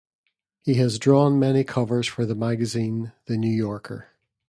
He has drawn many covers for the magazine "The New Yorker".